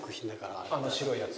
あの白いやつ。